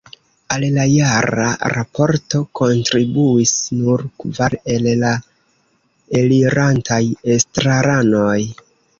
Al la jara raporto kontribuis nur kvar el la elirantaj estraranoj.